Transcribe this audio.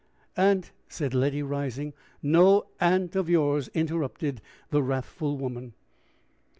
"Aunt " said Letty, rising. "No aunt of yours!" interrupted the wrathful woman.